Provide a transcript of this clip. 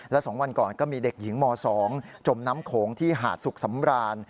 และ๒วันก่อนก็มีเด็กหญิงม๒จมน้ำโขงที่หาดสุขสำราญ